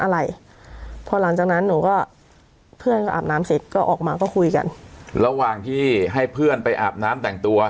ระหว่างที่ให้เพื่อนไปอาบน้ำแต่งตัว